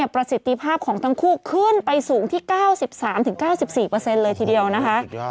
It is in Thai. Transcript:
ประสิทธิภาพของทั้งคู่ขึ้นไปสูงที่๙๓๙๔เลยทีเดียวนะคะ